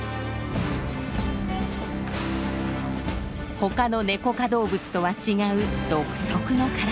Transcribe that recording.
他のネコ科動物とは違う独特の体。